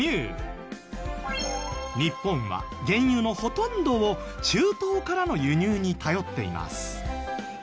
日本は原油のほとんどを中東からの輸入に頼っています。